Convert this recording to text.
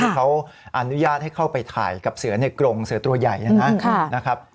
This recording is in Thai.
เขาอนุญาตให้เข้าไปถ่ายกับเสือในกรงเสือตัวใหญ่นะครับ